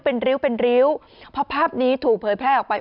เพราะภาพนี้ถูกเผยแพร่ออกไป